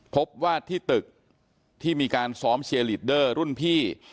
พบว่าที่ตึกที่มีการซ้อมเชียร์ลีดเดอร์รุ่นพี่